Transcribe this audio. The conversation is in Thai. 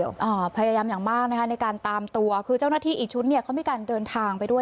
อย่างมากในการตามตัวคือเจ้าหน้าที่อีกชุดของมีการเดินทางไปด้วย